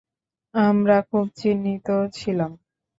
আমরা খুব চিন্তিত ছিলাম।